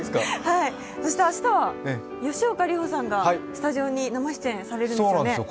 明日は吉岡里帆さんがスタジオに生出演されるんですね。